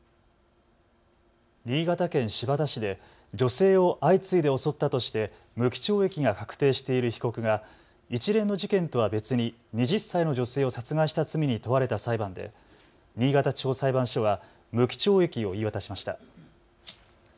新潟県新発田市で女性を相次いで襲ったとして無期懲役が確定している被告が一連の事件とは別に２０歳の女性を殺害した罪に問われた裁判で新潟地方裁判所は無期懲役を言い渡しました。